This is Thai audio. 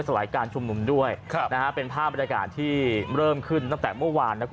เพื่อสลายการชุมนุมด้วยนะครับเป็นภาพบริการที่เริ่มขึ้นตั้งแต่เมื่อวานนะครับ